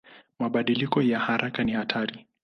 Mabadiliko ya haraka ni hatari.